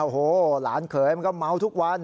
หลานเขยมันก็เม้าทุกวัน